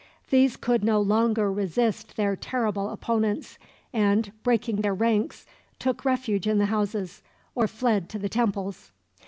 These could no longer resist their terrible opponents and, breaking their ranks, took refuge in the houses, or fled to the temples.